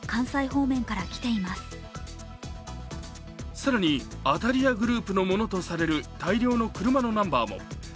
更に、当たり屋グループのものとされる大量の車のナンバーも。